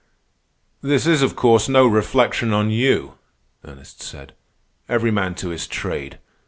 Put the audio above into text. "This is, of course, no reflection on you," Ernest said. "Every man to his trade.